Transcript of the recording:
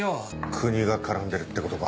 国が絡んでるってことか。